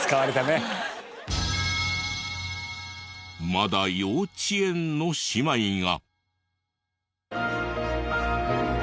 まだ幼稚園の姉妹が。